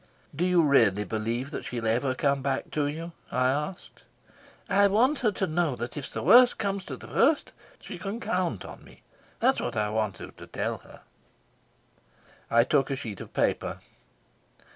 "Do you really believe that she'll ever come back to you?" I asked. "I want her to know that if the worst comes to the worst she can count on me. That's what I want you to tell her." I took a sheet of paper.